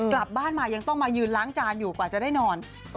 กลับบ้านมายังต้องมายืนล้างจานอยู่กว่าจะได้นอน